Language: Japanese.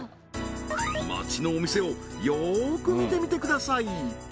街のお店をよく見てみてください